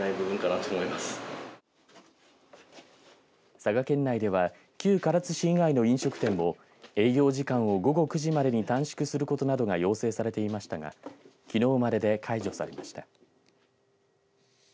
佐賀県内では、旧唐津市以外の飲食店でも営業時間を午後９時までに短縮することなどが要請されていましたがきのうまでで解除されました。